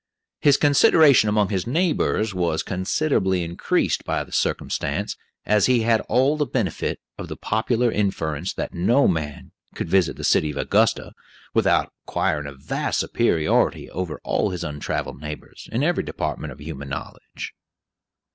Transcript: His consideration among his neighbors was considerably increased by the circumstance, as he had all the benefit of the popular inference that no man could visit the city of Augusta without acquiring a vast superiority over all his untraveled neighbors, in every department of human knowledge.